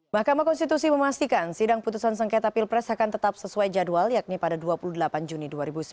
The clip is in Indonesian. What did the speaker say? mahkamah konstitusi memastikan sidang putusan sengketa pilpres akan tetap sesuai jadwal yakni pada dua puluh delapan juni dua ribu sembilan belas